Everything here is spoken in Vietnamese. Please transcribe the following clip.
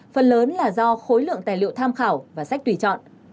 phần lớn là do khối lượng tài liệu tham khảo và sách tùy chọn